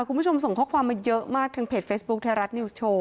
คุณผู้ชมส่งข้อความมาเยอะมากทางเพจเฟซบุ๊คไทยรัฐนิวส์โชว์